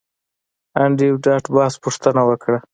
انډریو ډاټ باس پوښتنه وکړه